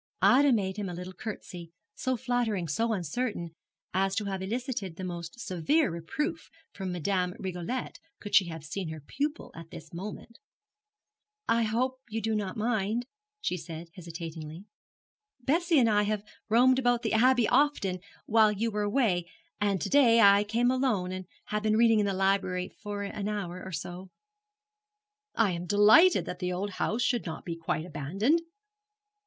Ida made him a little curtsey, so fluttering, so uncertain, as to have elicited the most severe reproof from Madame Rigolette could she have seen her pupil at this moment. 'I hope you do not mind,' she said, hesitatingly. 'Bessie and I have roamed about the Abbey often, while you were away, and to day I came alone, and have been reading in the library for an hour or so.' 'I am delighted that the old house should not be quite abandoned.'